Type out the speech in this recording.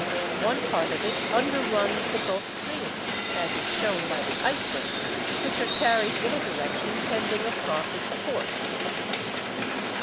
One part of it underruns the Gulf Stream, as is shown by the icebergs, which are carried in a direction tending across its course.